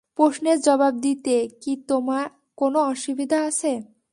প্রশ্নের জবাব দিতে কি কোনো অসুবিধা আছে?